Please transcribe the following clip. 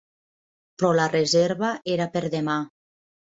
Però la reserva era per demà.